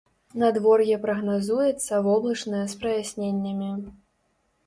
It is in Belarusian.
Надвор'е прагназуецца воблачнае з праясненнямі.